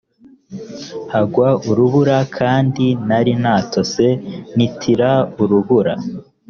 hagwaga urubura kandi nari natose ntitira urubura